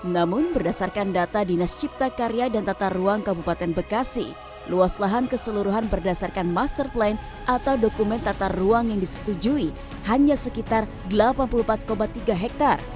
namun berdasarkan data dinas cipta karya dan tata ruang kabupaten bekasi luas lahan keseluruhan berdasarkan master plan atau dokumen tata ruang yang disetujui hanya sekitar delapan puluh empat tiga hektare